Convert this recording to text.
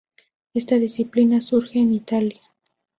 Esta disciplina surge en Italia.